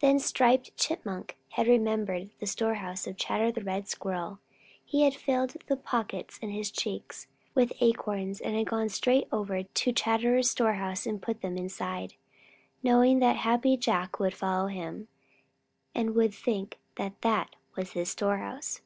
Then Striped Chipmunk had remembered the storehouse of Chatterer the Red Squirrel. He had filled the pockets in his cheeks with acorns and gone straight over to Chatterer's storehouse and put them inside, knowing that Happy Jack would follow him and would think that that was his storehouse.